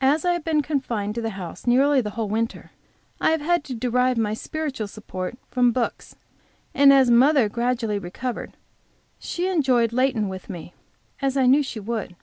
As I have been confined to the house nearly the whole winter, I have had to derive my spiritual support from books, and as mother gradually recovered, she enjoyed Leighton with me, as I knew she would.